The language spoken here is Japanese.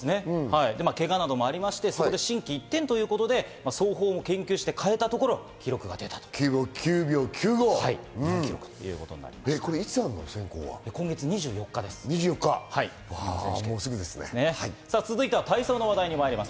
けがなどもありまして、心機一転ということで走法を研究して変えたところ、記録が出たと今月２４日に選考があります。